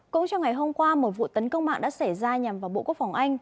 cũng trong ngày hôm qua một vụ tấn công mạng đã xảy ra nhằm vào bộ quốc tế